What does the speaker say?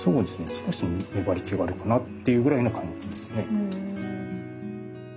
少し粘り気があるかなっていうぐらいの感じですね。